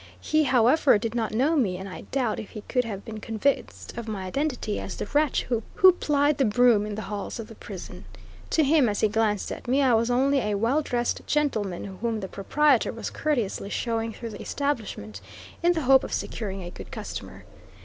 He, however, did not know me, and I doubt if he could have been convinced of my identity as the wretch who plied the broom in the halls of the prison. To him, as he glanced at me, I was only a well dressed gentleman whom the proprietor was courteously showing through the establishment in the hope of securing a good customer.